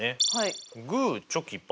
グーチョキパー。